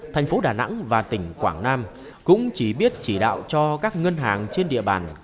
thành phố đà nẵng và tỉnh quảng nam cũng chỉ biết chỉ đạo cho các ngân hàng trên địa bàn